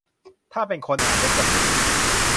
ถ้าเป็นคนอ่านเล่นก็ขำดี